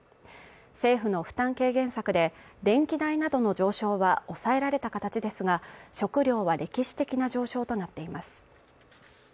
政府の負担軽減策で電気代などの上昇は抑えられた形ですが、食料は歴史的な上昇となっています。